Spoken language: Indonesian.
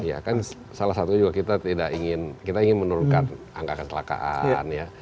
ya kan salah satu juga kita tidak ingin kita ingin menurunkan angka kecelakaan ya